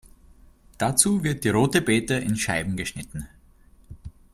Dazu wird die rote Bete in Scheiben geschnitten.